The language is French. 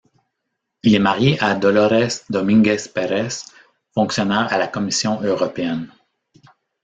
Il est marié à Dolores Dominguez Perez, fonctionnaire à la Commission européenne.